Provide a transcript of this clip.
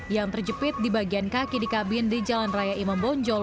yang terjepit di bagian kaki di kabin di jalan raya imam bonjol